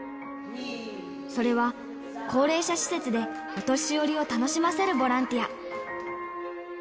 それは、高齢者施設でお年寄りを楽しませるボランティア。